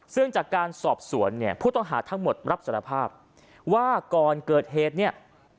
ซึ่งจากการสอบสวนเนี่ยผู้ต้องหาทั้งหมดรับสารภาพว่าก่อนเกิดเหตุเนี่ย